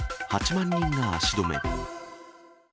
８万人が足止め。